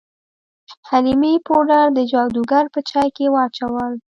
حلیمې پوډر د جادوګر په چای کې واچول.